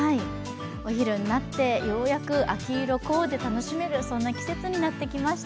お昼になって、ようやく秋色コーデが楽しめる、そんな季節になってきました。